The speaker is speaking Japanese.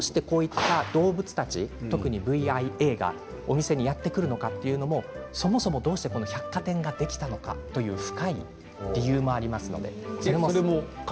どうしてこういった動物たちが特にＶ．Ｉ．Ａがお店にやって来るのかということもそもそもどうして百貨店ができたのかという深い理由もあります。